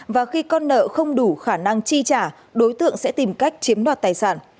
và khi con nợ không đủ khả năng chi trả đối tượng sẽ tìm cách chiếm đoạt tài sản